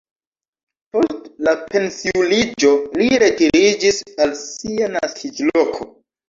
Post la pensiuliĝo li retiriĝis al sia naskiĝloko.